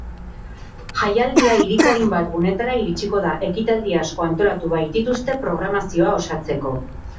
Jaialdia hiriko hainbat gunetara iritsiko da, ekitaldi asko antolatu baitituzte programazioa osatzeko.